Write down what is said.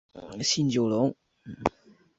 新九龙。